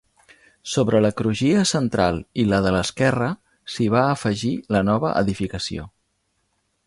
Sobre la crugia central i la de l’esquerra s’hi va afegir la nova edificació.